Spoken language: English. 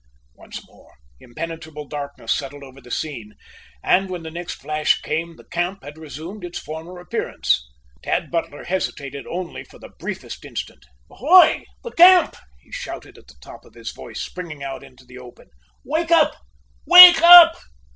Once more, impenetrable darkness settled over the scene, and, when the next flash came the camp had resumed its former appearance. Tad Butler hesitated only for the briefest instant. "Ahoy, the camp!" he shouted at the top of his voice, springing out into the open. "Wake up! Wake up!"